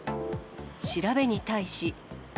調べに対し。